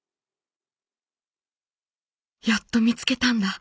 「やっと見つけたんだ。